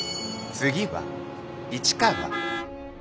次は市川。